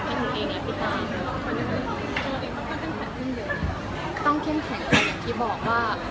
ต้องเข้มแข็งกันอย่างที่บอกว่า